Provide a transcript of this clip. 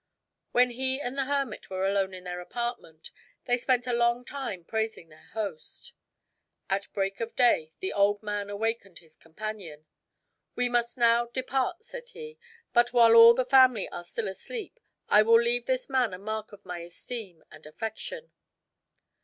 When he and the hermit were alone in their apartment, they spent a long time praising their host. At break of day the old man awakened his companion. "We must now depart," said he, "but while all the family are still asleep, I will leave this man a mark of my esteem and affection."